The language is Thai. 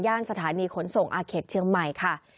สถานีขนส่งอาเขตเชียงใหม่ค่ะ